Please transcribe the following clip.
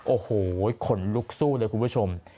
โอ้โหขนลุกสู้เลยคุณผู้ชม